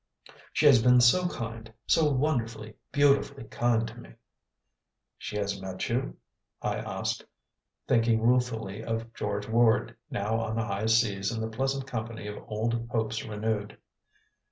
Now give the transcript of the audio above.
She has been so kind so wonderfully, beautifully kind to me!" "She has met you?" I asked, thinking ruefully of George Ward, now on the high seas in the pleasant company of old hopes renewed.